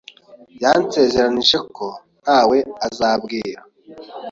yansezeranije ko ntawe azabwira.